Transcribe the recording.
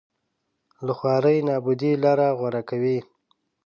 له خوارۍ نابودۍ لاره غوره کوي